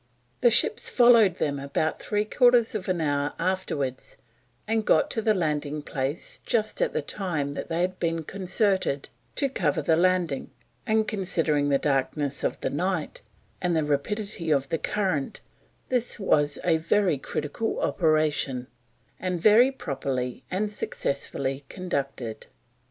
The ships followed them about three quarters of an hour afterwards, and got to the landing place just at the time that had been concerted to cover the landing, and considering the darkness of the night, and the rapidity of the current, this was a very critical operation, and very properly and successfully conducted."